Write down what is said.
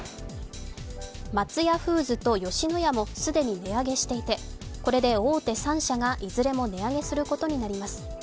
松屋フーズと吉野家も既に値上げしていてこれで大手３社がいずれも値上げすることにります。